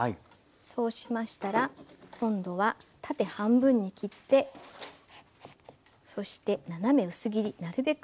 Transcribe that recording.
そうしましたら今度は縦半分に切ってそして斜め薄切りなるべく